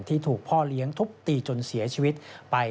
ที่ถูกพ่อเลี้ยงทุบตีจนเสียชีวิตไป